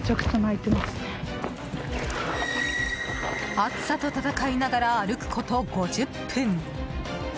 暑さと闘いながら歩くこと、５０分。